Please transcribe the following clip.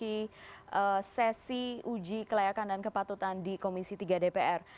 pim kpk yang besok akan memasuki sesi uji kelayakan dan kepatutan di komisi tiga dpr